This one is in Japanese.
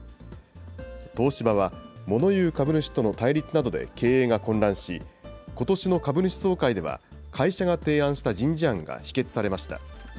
東芝は、モノ言う株主との対立などで経営が混乱し、ことしの株主総会では、会社が提案した人事案が否決されました。